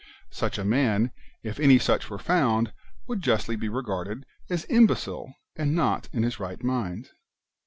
Such a man, if any such were found, would justly be regarded as imbecile, and not in his right mind.